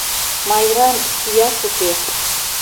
Майран чияш уке.